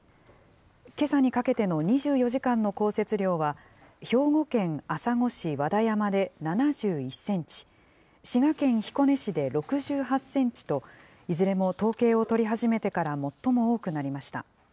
けさにかけての２４時間の降雪量は、兵庫県朝来市和田山で７１センチ、滋賀県彦根市で６８センチと、いずれも統計を取り始めてから最も多くなりました。